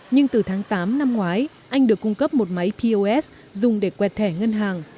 nhưng từ tháng tám năm ngoái anh được cung cấp một máy pos dùng để quẹt thẻ ngân hàng